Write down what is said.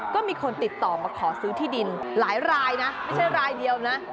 ก็มีคนติดต่อมาขอซื้อที่ดินหลายรายนะไม่ใช่รายเดียวนะ